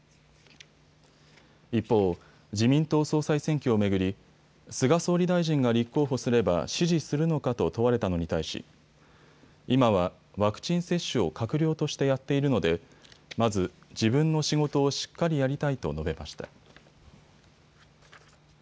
一方、自民党総裁選挙を巡り菅総理大臣が立候補すれば支持するのかと問われたのに対し、今はワクチン接種を閣僚としてやっているのでまず、自分の仕事をしっかりやりたいと述べました。